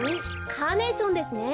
カーネーションですね。